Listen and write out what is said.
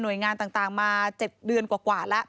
หน่วยงานต่างมา๗เดือนกว่า